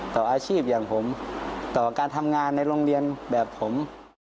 ต่ออาชีพอย่างผมต่อการทำงานในโรงเรียนแบบผม